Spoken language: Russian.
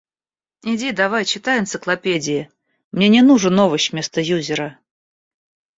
Иди давай читай энциклопедии, мне не нужен овощ вместо юзера.